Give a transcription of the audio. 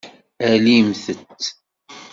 Alimt-t.